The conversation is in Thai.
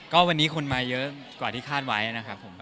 ก็วันนี้คนมาเยอะกว่าที่คาดไว้นะครับผม